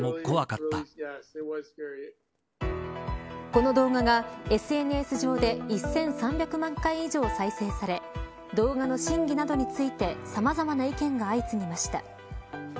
この動画がＳＮＳ上で１３００万回以上再生され動画の真偽などについてさまざまな意見が相次ぎました。